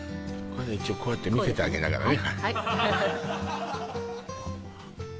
これ一応こうやって見せてあげながらね